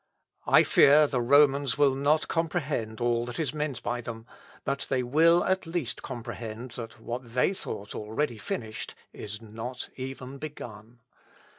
I fear the Romans will not comprehend all that is meant by them, but they will at least comprehend that what they thought already finished is not even begun.